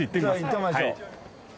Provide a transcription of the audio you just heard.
行ってみましょう。